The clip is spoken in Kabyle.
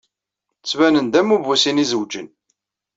Ttbanen-d am ubusin izewǧen.